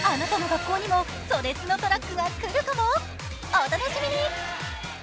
お楽しみに！